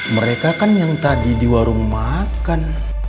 mereka kan yang tadi di warung makan